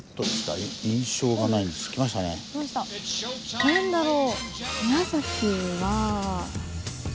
何だろう？